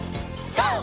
ＧＯ！